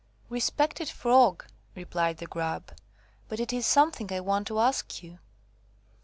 "Respected Frog," replied the Grub, "but it is something I want to ask you."